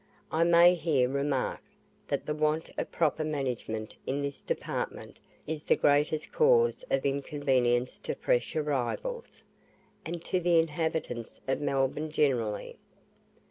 I may here remark, that the want of proper management in this department is the greatest cause of inconvenience to fresh arrivals, and to the inhabitants of Melbourne generally.